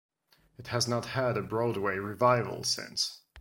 It has not had a Broadway revival since.